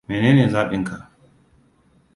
Mene ne zaɓinka?